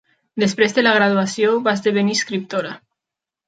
Després de la graduació, va esdevenir escriptora.